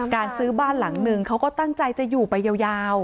การซื้อบ้านหลังนึงเขาก็ตั้งใจจะอยู่ไปยาว